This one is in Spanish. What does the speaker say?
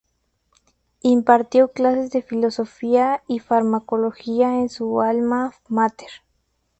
Impartió clases de fisiología y farmacología en su alma máter.